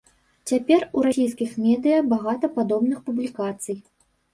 Цяпер у расійскіх медыя багата падобных публікацый.